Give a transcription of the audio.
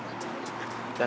kamu tuh masih sakit